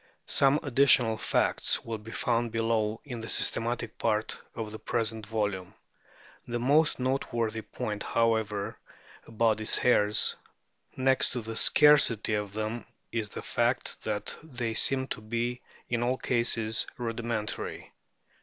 Some ad ditional facts will be found below in the systematic part of the present volume. The most noteworthy point, however, about these hairs, next to the scarcity of them, is the fact that they seem to be in all cases rudimentary.